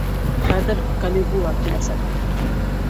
Хәҙер Калигула киләсәк.